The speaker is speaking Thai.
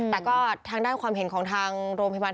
แต่ก็ทางด้านความเห็นของทางโรงพยาบาล